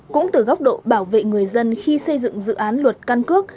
cũng từ góc độ bảo vệ người dân khi xây dựng dự án luật căn cước